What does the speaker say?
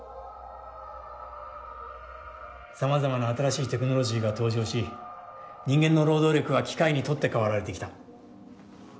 さまざまな新しいテクノロジーが登場し人間の労働力は機械に取って代わられてきた。